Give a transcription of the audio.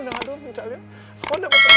tidak alam tidak alam